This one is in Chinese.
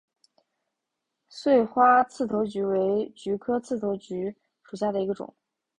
穗花刺头菊为菊科刺头菊属下的一个种。